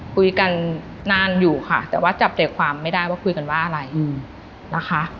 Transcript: คุยกันนานอยู่ค่ะแต่ว่าจับใจความไม่ได้ว่าคุยกันว่าอะไรนะคะ